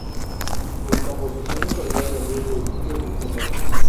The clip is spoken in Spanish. Mis composiciones solían venir de sitios distintos.